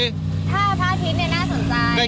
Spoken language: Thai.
ท่าพาทิศนี่น่าสนใจ